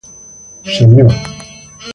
De Mr.